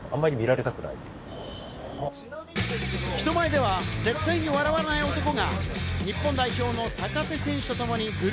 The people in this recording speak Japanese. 人前では絶対に笑わない男が、日本代表の坂手選手に。